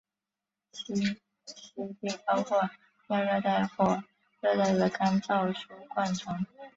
栖息地包括亚热带或热带的干燥疏灌丛。